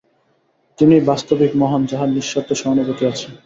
তিনিই বাস্তবিক মহান্, যাঁহার নিঃস্বার্থ সহানুভূতি আছে।